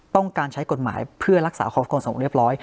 ต้องการใช้กฎหมายเพื่อรักษาความสงบเรียบร้อย